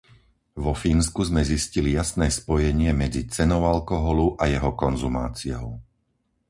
Vo Fínsku sme zistili jasné spojenie medzi cenou alkoholu a jeho konzumáciou.